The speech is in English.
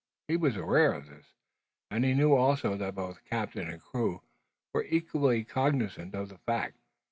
He was aware of this; and he knew also that both captain and crew were equally cognisant of the fact.